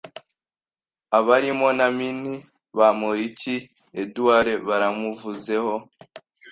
abarimo na Min. Bamporiki Edouard baramuvuzeho,